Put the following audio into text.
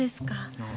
ああ。